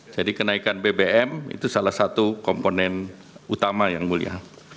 jadi kenaikan bbm itu salah satu komponen utama yang mulia